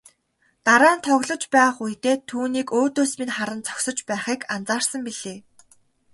Дараа нь тоглож байх үедээ түүнийг өөдөөс минь харан зогсож байхыг анзаарсан билээ.